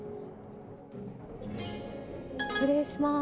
失礼します。